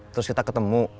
terus kita ketemu